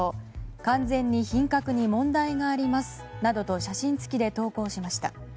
完全に品格に問題がありますなどと写真付きで投稿しました。